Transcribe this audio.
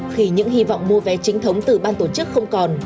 khi những hy vọng mua vé chính thống từ ban tổ chức không còn